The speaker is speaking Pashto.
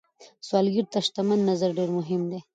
سوالګر ته د شتمن نظر ډېر مهم دی